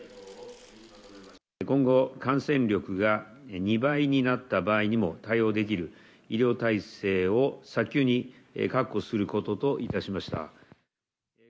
今後、感染力が２倍になった場合にも対応できる医療体制を早急に確保することといたしました。